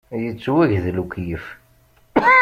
Yettwagdel ukeyyef!